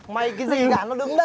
mày cái gì cả nó đứng đây